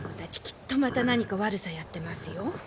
きっとまた何か悪さをやってますよ。